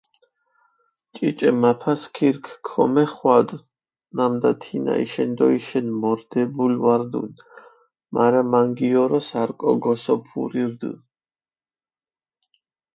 ჭიჭე მაფასქირქ ქომეხვადჷ, ნამდა თინა იშენდოიშენ მორდებული ვარდუნ, მარა მანგიორო სარკო გოსოფური რდჷ.